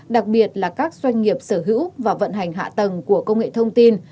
đặc biệt là các doanh nghiệp sở hữu và vận hành hạ tầng của công nghệ thông tin